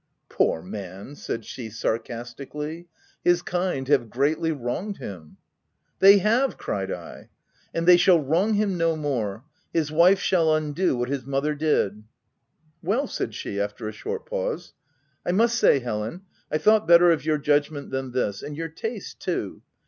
11 u Poor man \" said she, sarcastically, u his kind have greatly wronged him l" " They have I" cried I —and they shall wrong him no more — his wife shall undo what his mother did \" u Well !" said she, after a short pause. " I must say, Helen, I thought better of your judg ment than this— and your taste too.